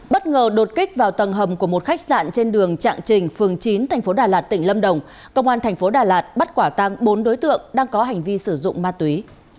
bất ngờ đột kích vào tầng hầm của một khách sạn trên đường trạng trình phường chín tp đà lạt tỉnh lâm đồng công an thành phố đà lạt bắt quả tăng bốn đối tượng đang có hành vi sử dụng ma túy